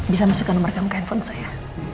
bisa masukkan nomer ke handphone saya